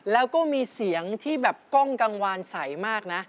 แล้วก็มีเสียงที่แบบกล้องกังวานใสมากนะ